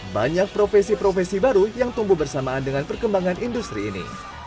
banyak profesi profesi baru yang tumbuh bersamaan dengan perkembangan industri ini